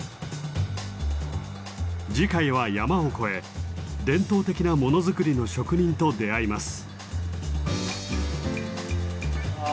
次回は山を越え伝統的なものづくりの職人と出会います。